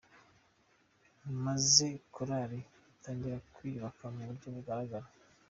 Maze korali itangira kwiyubaka mu buryo bugaragara.